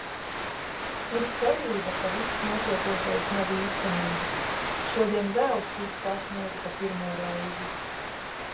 Ir cerība, ka viss notiekošais nav īstenība. Šodien vēl šis tas notika pirmo reizi.